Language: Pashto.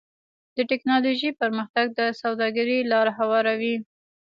د ټکنالوجۍ پرمختګ د سوداګرۍ لاره هواروي.